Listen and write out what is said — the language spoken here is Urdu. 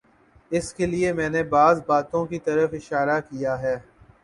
اس کے لیے میں نے بعض باتوں کی طرف اشارہ کیا ہے۔